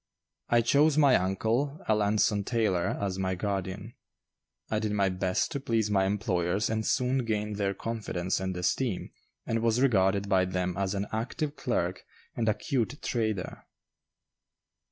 I chose my uncle, Alanson Taylor, as my guardian. I did my best to please my employers and soon gained their confidence and esteem and was regarded by them as an active clerk and a 'cute trader.